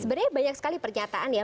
sebenarnya banyak sekali pernyataan ya